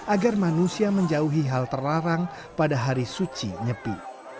agar manusia menjauhi hal terlarang pada hari suci nyepi